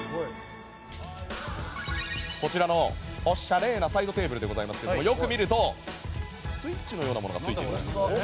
こちらのおしゃれなサイドテーブルよく見るとスイッチのようなものがついています。